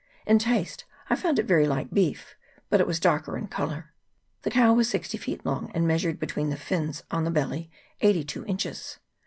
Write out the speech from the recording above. In taste I found it very like beef, but it was darker in colour. The cow was sixty feet long, and measured between the fins on the belly eighty two inches.